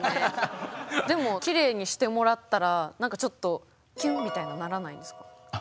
でもきれいにしてもらったらなんかちょっときゅんみたいなのならないんですか？